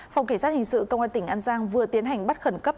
phòng kỳ sát hình sự công an tỉnh an giang vừa tiến hành bắt khẩn cấp